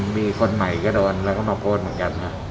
มีคนใหม่ก็โดนแล้วก็มาโพสต์เหมือนกัน